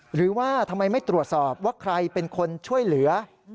หรือว่าทำไมไม่ตรวจสอบว่าใครเป็นคนช่วยเหลือ